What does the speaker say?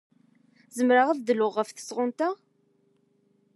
Zemreɣ ad dluɣ ɣef tesɣunt-a?